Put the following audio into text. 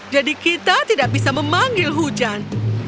jadi kita tidak bisa memanggil hujan